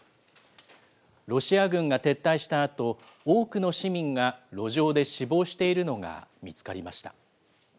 ロシア軍が撤退したあと、多くの市民が路上で死亡しているのが見つかりました。